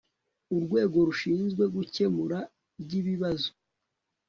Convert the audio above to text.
urwego rushinzwe gucyemura ry'ibibazo